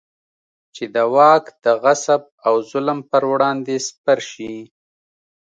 چې د واک د غصب او ظلم پر وړاندې سپر شي.